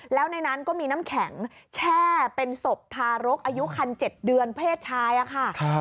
แล้วในนั้นก็มีน้ำแข็งแช่เป็นศพทารกอายุคัน๗เดือนเพศชายค่ะ